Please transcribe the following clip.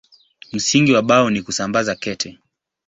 Msingi wa Bao ni kusambaza kete.